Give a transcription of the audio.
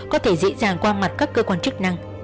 có thể dễ dàng qua mặt các cơ quan chức năng